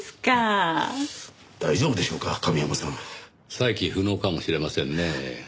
再起不能かもしれませんねぇ。